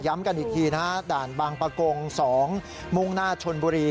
กันอีกทีนะฮะด่านบางประกง๒มุ่งหน้าชนบุรี